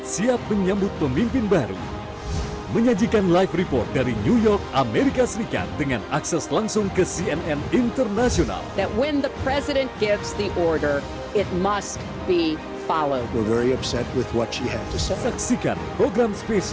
sampai jumpa di video selanjutnya